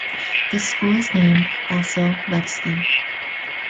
The school is named "Vasil Levski".